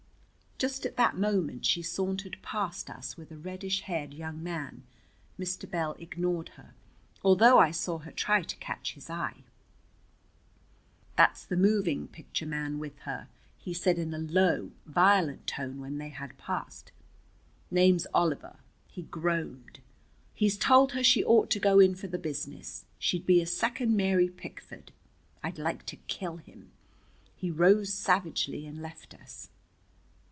Just at that moment she sauntered past us with a reddish haired young man. Mr. Bell ignored her, although I saw her try to catch his eye. "That's the moving picture man with her," he said in a low, violent tone when they had passed. "Name's Oliver." He groaned. "He's told her she ought to go in for the business. She'd be a second Mary Pickford! I'd like to kill him!" He rose savagely and left us.